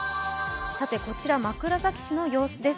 こちら枕崎市の様子です。